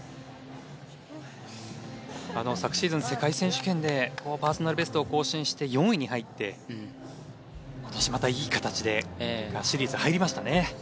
昨シーズン世界選手権でパーソナルベストを更新して４位に入って今年またいい形でシリーズ入りましたね。